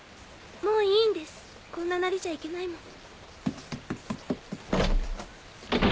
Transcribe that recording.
もういいんですこんななりじゃ行けないもん。